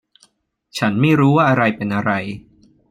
ฉันไม่รู้ว่าอะไรเป็นอะไร